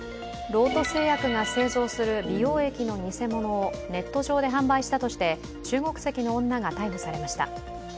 ロート製薬が製造する美容液の偽物をネット上で販売したとして中国籍の女が逮捕されました。